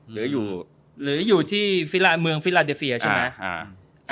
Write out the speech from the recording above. เหลืออยู่หรืออยู่ที่ฟิลาเมืองฟิลาเดเฟียร์ใช่ไหมอ่า